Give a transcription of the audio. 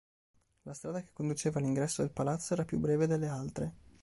La strada che conduceva all'ingresso del palazzo era più breve delle altre.